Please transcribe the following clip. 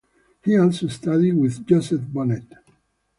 He also studied with Joseph Bonnet.